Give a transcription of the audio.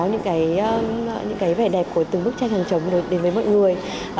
những cái vẻ đẹp của từng bức tranh hàng chống đến với mọi người